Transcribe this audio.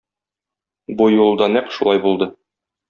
Бу юлы да нәкъ шулай булды.